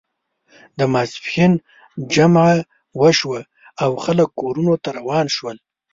د ماسپښین جمعه وشوه او خلک کورونو ته روان شول.